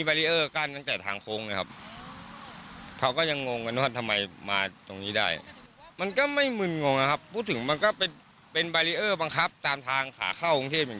ภาพเขาไม่น่าเป็นคนกลิ่นเหล้าครับ